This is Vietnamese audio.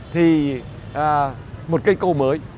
thì một cây cầu mới